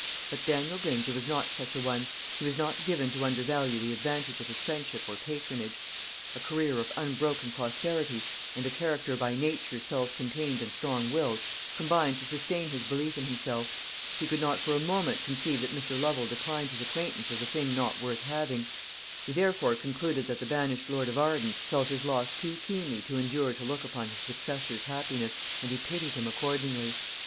But Daniel Granger was not such a one; he was not given to undervalue the advantage of his friendship or patronage. A career of unbroken prosperity, and a character by nature self contained and strong willed, combined to sustain his belief in himself. He could not for a moment conceive that Mr. Lovel declined his acquaintance as a thing not worth having. He therefore concluded that the banished lord of Arden felt his loss too keenly to endure to look upon his successor's happiness, and he pitied him accordingly.